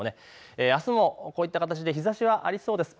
あすもこういった形で日ざしはありそうです。